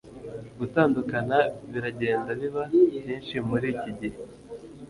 Gutandukana biragenda biba byinshi muri iki gihe